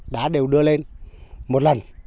đá đều đưa lên một lần